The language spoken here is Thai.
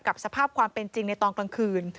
สภาพความเป็นจริงในตอนกลางคืน